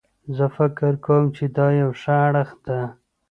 زه فکر کوم چې دا یو ښه اړخ ده